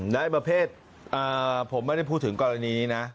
ในประเภทผมไม่ได้พูดถึงกรณีนี้นะ